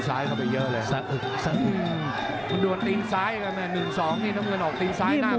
สะอึกสะอืม